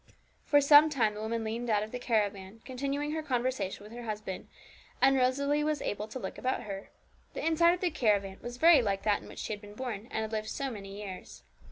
For some time the woman leant out of the caravan, continuing her conversation with her husband, and Rosalie was able to look about her. The inside of the caravan was very like that in which she had been born, and had lived so many years.